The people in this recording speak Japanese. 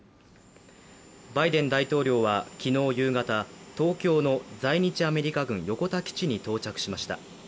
バイデン大統領は昨日夕方東京の在日アメリカ軍横田基地に到着しました。